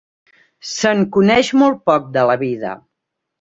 Se'n coneix molt poc de la vida.